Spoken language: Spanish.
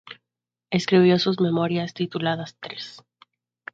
Escribió sus memorias tituladas "Tres.